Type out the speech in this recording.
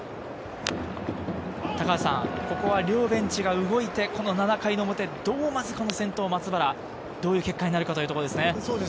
ここは両ベンチが動いてこの７回表、まず先頭の松原、どういう結果になるかというところですね。